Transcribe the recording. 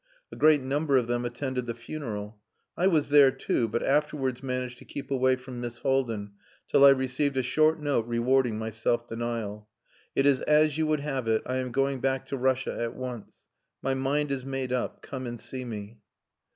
A great number of them attended the funeral. I was there too, but afterwards managed to keep away from Miss Haldin, till I received a short note rewarding my self denial. "It is as you would have it. I am going back to Russia at once. My mind is made up. Come and see me."